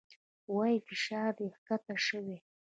وايي فشار دې کښته شوى.